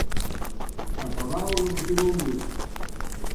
Acabar al Garroferal del Mut.